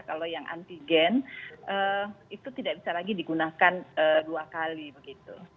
kalau yang antigen itu tidak bisa lagi digunakan dua kali begitu